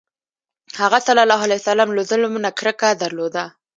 هغه ﷺ له ظلم نه کرکه درلوده.